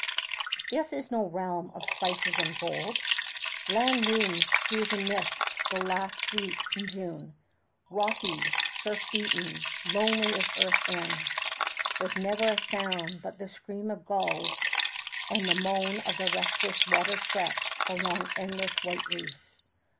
This is no realm of spices and gold. Land looms through the mist the last week in June, rocky, surf beaten, lonely as earth's ends, with never a sound but the scream of the gulls and the moan of the restless water fret along endless white reefs.